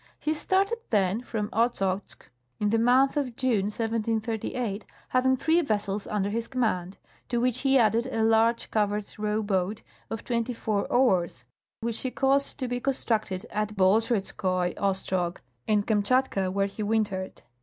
He started, then, from Ochozk in the month of June, 1738, having three vessels under his command, to which he added a large covered row boat of 24 oars, which he caused to be constructed at Bolscherezkoi Ostrog in Kamshatka, Avhere he wintered.